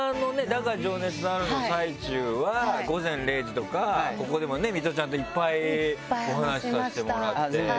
『だが、情熱はある』の最中は『午前０時』とかここでもねミトちゃんといっぱいお話しさせてもらって。